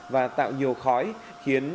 và tạo nhiều khói khiến